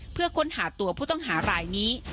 เพื่อค้นหาตัวผู้ต้องหารายนี้